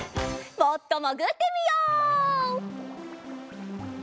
もっともぐってみよう！